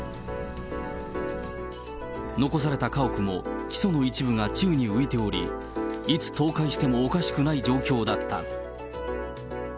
残された家屋も基礎の一部が宙に浮いており、いつ倒壊してもおかしくない状況だった。